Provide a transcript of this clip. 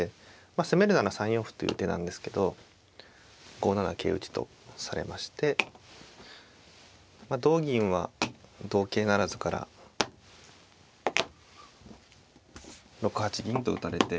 まあ攻めるなら３四歩っていう手なんですけど５七桂打とされまして同銀は同桂不成から６八銀と打たれて。